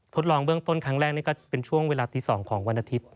ทดลองเบื้องต้นครั้งแรกนี่ก็เป็นช่วงเวลาตี๒ของวันอาทิตย์